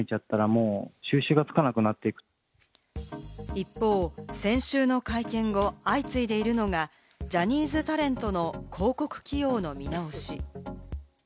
一方、先週の会見後、相次いでいるのがジャニーズタレントの広告起用の見直し。